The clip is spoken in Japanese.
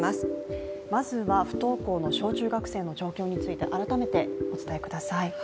まずは、不登校の小中学生の状況について改めてお伝えください。